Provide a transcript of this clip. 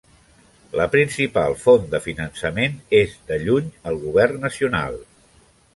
La principal font de finançament és, de lluny, el govern nacional.